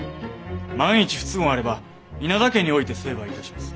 万一不都合あれば稲田家において成敗いたします。